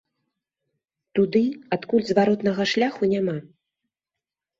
Туды, адкуль зваротнага шляху няма.